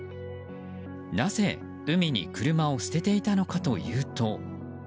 なぜ海に車を捨てていたのかというと。